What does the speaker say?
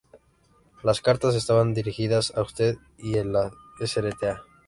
Las cartas estaban dirigidas a "usted y la Srta.